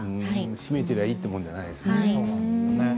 締まっていればいいということではないんですね。